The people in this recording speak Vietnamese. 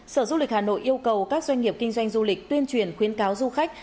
sở du lịch hà nội yêu cầu các doanh nghiệp kinh doanh du lịch tuyên truyền khuyến cáo du khách